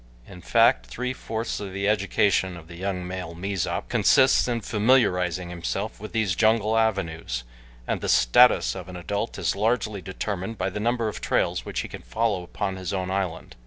In fact three fourths of the education of the young male Mezop consists in familiarizing himself with these jungle avenues, and the status of an adult is largely determined by the number of trails which he can follow upon his own island.